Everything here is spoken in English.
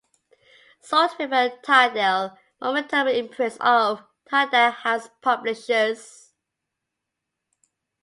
SaltRiver and Tyndale Momentum are imprints of Tyndale House Publishers.